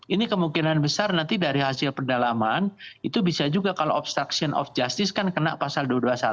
ini kemungkinan besar nanti dari hasil pendalaman itu bisa juga kalau obstruction of justice kan kena pasal dua ratus dua puluh satu